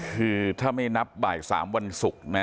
คือถ้าไม่นับบ่าย๓วันศุกร์นะ